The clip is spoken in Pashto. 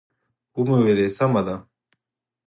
و مې ویل: سمه ده.